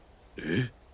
え？